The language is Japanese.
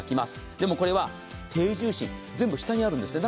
でも、これは低重心、全部下にあるんですね。